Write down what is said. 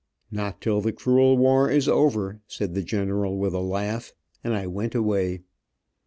"Not till the cruel war is over," said the general, with a laugh, and I went away.